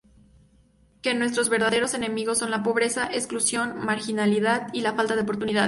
Que nuestros verdaderos enemigos son la pobreza, exclusión, marginalidad y la falta de oportunidades.